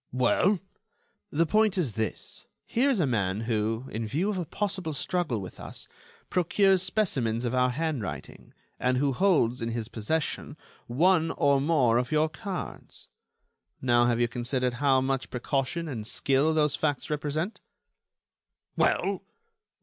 "Well?" "The point is this: here is a man who, in view of a possible struggle with us, procures specimens of our handwriting, and who holds, in his possession, one or more of your cards. Now, have you considered how much precaution and skill those facts represent?" "Well?"